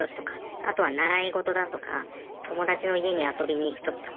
あとは習い事だとか友達の家に遊びに行く時とか。